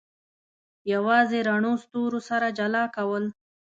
یوازې رڼو ستورو سره جلا کول.